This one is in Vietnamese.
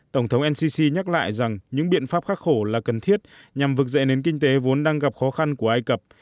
tổng thống ncc nhắc lại rằng những biện pháp khắc khổ là cần thiết nhằm vực dậy nền kinh tế vốn đang gặp khó khăn của ai cập